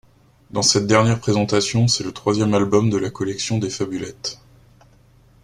Dans cette dernière présentation, c'est le troisième album de la collection des Fabulettes.